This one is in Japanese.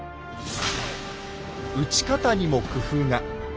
撃ち方にも工夫が。